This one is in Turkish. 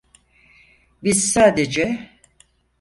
Biz sadece...